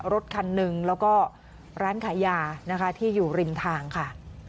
รถคันหนึ่งแล้วก็ร้านขายยานะคะที่อยู่ริมทางค่ะ